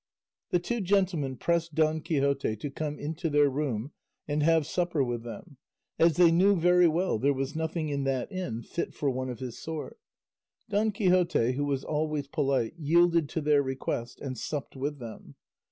'" The two gentlemen pressed Don Quixote to come into their room and have supper with them, as they knew very well there was nothing in that inn fit for one of his sort. Don Quixote, who was always polite, yielded to their request and supped with them.